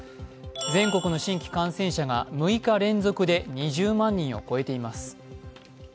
全国の新規感染者が６日連続で２０万人を超えています。